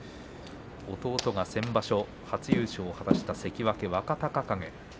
弟が先場所、初優勝を果たした関脇若隆景。